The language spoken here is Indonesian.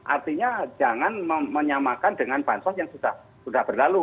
artinya jangan menyamakan dengan bansos yang sudah berlalu